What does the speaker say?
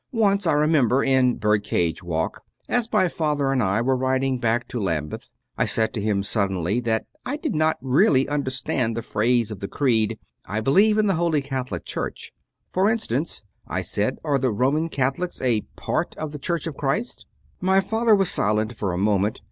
Once, I remember, in Birdcage Walk, as my father and I were riding back to Lambeth, I said to him suddenly that I did not really understand the phrase of the Creed, "I believe in the Holy Catholic Church." "For instance," I said, "are the Roman Catholics a part of the Church of Christ?" My father was silent for a moment.